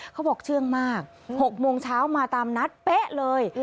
เชื่องมาก๖โมงเช้ามาตามนัดเป๊ะเลย